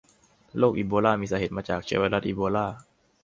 โรคอีโบลามีสาเหตุมาจากเชื้อไวรัสอีโบลา